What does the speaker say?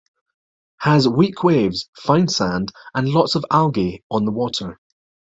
Has weak waves, fine sand and lots of algae on the water.